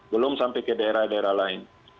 belum sampai ke daerah daerah lain